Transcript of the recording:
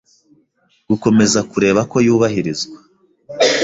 gukomeza kureba ko yubahirizwa